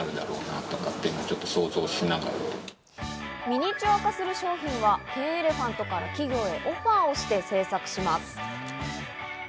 ミニチュア化する商品はケンエレファントから企業へオファーをして制作します。